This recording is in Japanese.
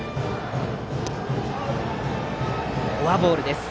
フォアボールです。